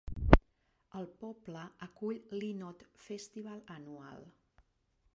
El poble acull l'Y Not Festival anual.